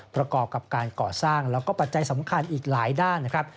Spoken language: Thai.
ประกอบกับการก่อสร้างแล้วก็ปัจจัยสำคัญอีกหลายด้านนะครับ